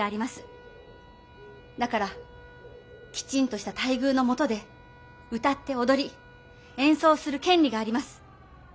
だからきちんとした待遇のもとで歌って踊り演奏する権利があります。